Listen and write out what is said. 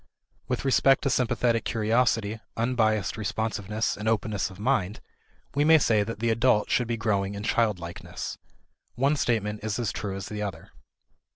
With respect to sympathetic curiosity, unbiased responsiveness, and openness of mind, we may say that the adult should be growing in childlikeness. One statement is as true as the other.